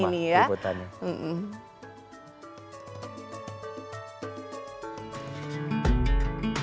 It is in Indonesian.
kita lihat bersama ributannya